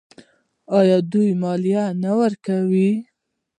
آیا دوی مالیه نه ورکوي؟